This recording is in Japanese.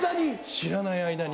知らない間に。